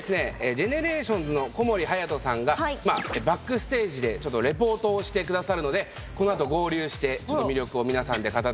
ＧＥＮＥＲＡＴＩＯＮＳの小森隼さんがバックステージでリポートをしてくださるのでこの後合流して魅力を皆さんで語っていただけたらなと。